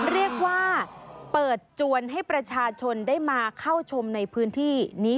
เรียกว่าเปิดจวนให้ประชาชนได้มาเข้าชมในพื้นที่นี้